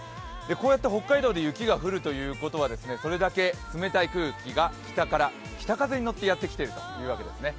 こうやって北海道で雪が降るということは、それだけ冷たい空気が北から北風にのってやってきているということなんですね。